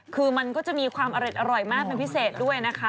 คือมันก็จะมีความอร่อยมากเป็นพิเศษด้วยนะคะ